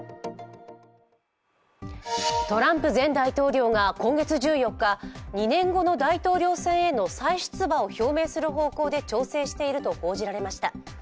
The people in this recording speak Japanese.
トランプ前大統領が今月１４日、２年後の大統領選への再出馬を表明する方向で調整していると報じられました。